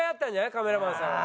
カメラマンさんは。